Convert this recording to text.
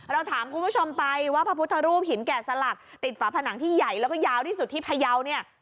เราถามคุณผู้ชมไปว่าพระพุทธรูปหินแก่สลักติดฝาผนังที่ใหญ่แล้วก็ยาวที่สุดที่พยาวเนี่ย